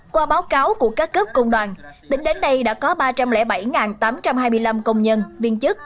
qua báo cáo của các cấp công đoàn tỉnh đến nay đã có ba trăm linh bảy tám trăm hai mươi năm công nhân viên chức